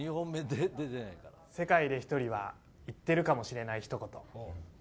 世界で１人は言ってるかもしれない一言。